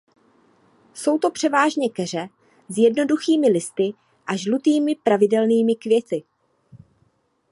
Jsou to převážně keře s jednoduchými listy a žlutými pravidelnými květy.